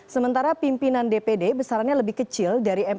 sementara pimpinan dpd besarannya lebih kecil dari mk